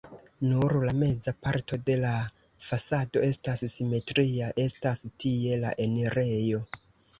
Nur la meza parto de la fasado estas simetria, estas tie la enirejo.